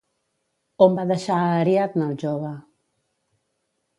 On va deixar a Ariadna el jove?